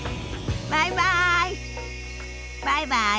バイバイ。